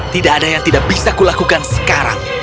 tidak ada yang tidak bisa kulakukan sekarang